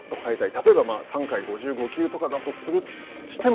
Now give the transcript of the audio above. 例えば３回５５球だとしても。